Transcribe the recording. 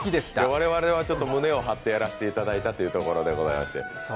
我々は胸を張ってやらせていただいたということでございます。